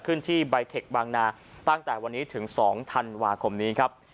ขึ้นที่ใบเทคบางนาตั้งแต่วันนี้ถึง๒ธันวาคมนี้ครับ